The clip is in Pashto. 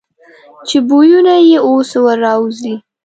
چې بویونه یې اوس را وځي.